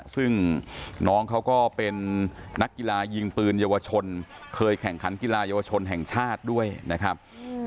ซึ่งน้องเขาก็เป็นนักกีฬายิงปืนเยาวชนเคยแข่งขันกีฬาเยาวชนแห่งชาติด้วยนะครับ